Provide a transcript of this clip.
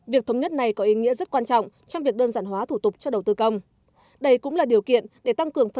việc thống nhất này có ý nghĩa rất quan trọng trong việc đơn giản hóa thủ tục cho đầu tư công